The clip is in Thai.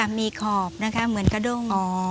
ใช่ค่ะมีขอบนะคะเหมือนกระด้ง